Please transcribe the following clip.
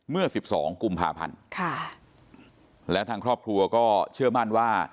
เมื่อ๑๒กุมภาพันธ์แล้วทางครอบครัวก็เชื่อมั่นว่า